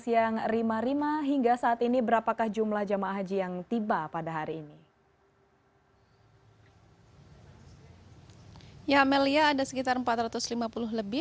ya amelia ada sekitar empat ratus lima puluh lebih